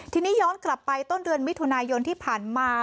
ทีนี้ย้อนกลับไปต้นเดือนมิถุนายนที่ผ่านมา